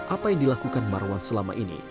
apa yang dilakukan marwan selama ini